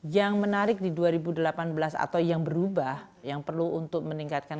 yang menarik di dua ribu delapan belas atau yang berubah yang perlu untuk meningkatkan